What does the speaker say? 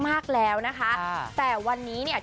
อาการต่างดีขึ้นมาก